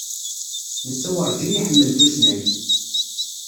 Netta werǧin iḥemmel tusnakt.